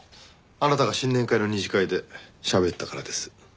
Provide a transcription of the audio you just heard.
あなたが新年会の二次会でしゃべったからです。